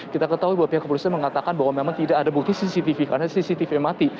kita ketahui bahwa pihak kepolisian mengatakan bahwa memang tidak ada bukti cctv karena cctv mati